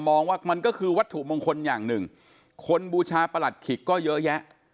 มองว่ามันก็คือวัตถุมงคลอย่างหนึ่งคนบูชาประหลัดขิกก็เยอะแยะ